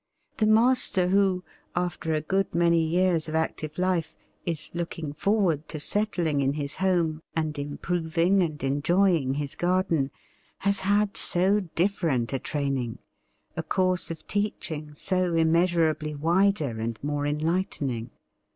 The master who, after a good many years of active life, is looking forward to settling in his home and improving and enjoying his garden, has had so different a training, a course of teaching so immeasurably wider and more enlightening.